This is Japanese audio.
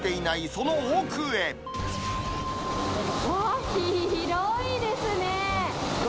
うわー、広いですね。